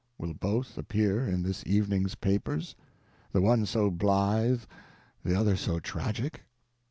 Will both appear in this evening's papers?—the one so blithe, the other so tragic?